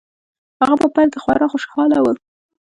هغه په پیل کې خورا خوشحاله و